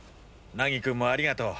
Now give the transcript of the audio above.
凪くんもありがとう。